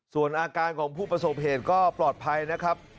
ส่วนอาการของผู้ประสบเหตุก็ปลอดภัยนะครับ